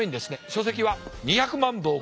書籍は２００万部を超え。